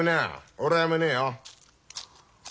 俺はやめねえよ。